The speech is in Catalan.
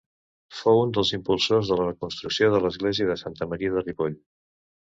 Fou un dels impulsors de la reconstrucció de l'església de Santa Maria de Ripoll.